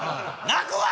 泣くわ！